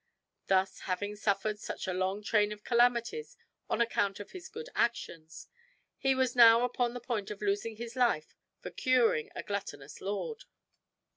Thus, having suffered such a long train of calamities on account of his good actions, he was now upon the point of losing his life for curing a gluttonous lord.